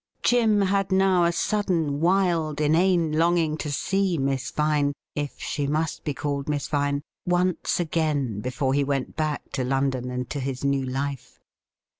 Jim had now a sudden, wild, inane longing to see Miss Vine — if she must be called Miss Vine — once again before he went back to London and to his new life.